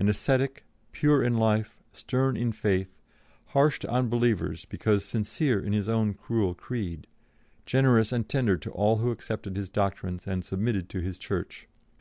An ascetic, pure in life, stern in faith, harsh to unbelievers because sincere in his own cruel creed, generous and tender to all who accepted his doctrines and submitted to his Church.